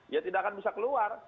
ya tidak akan bisa keluar